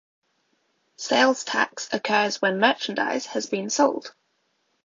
Sales tax occurs when merchandise has been sold.